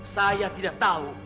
saya tidak tahu